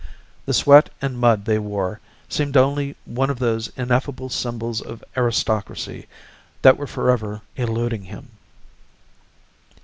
The sweat and mud they wore seemed only one of those ineffable symbols of aristocracy that were forever eluding him.